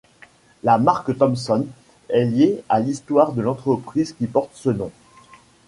La marque Thomson est liée à l'histoire de l'entreprise qui porte ce nom.